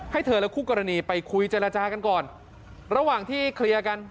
ให้เธอและคู่กรณีไปคุยเจรจากันก่อนระหว่างที่เคลียร์กัน